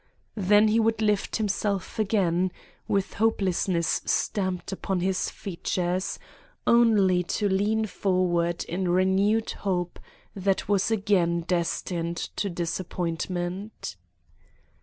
Then he would lift himself again, with hopelessness stamped upon his features, only to lean forward in renewed hope that was again destined to disappointment.